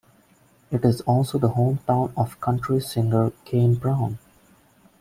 It is also the hometown of country singer Kane Brown.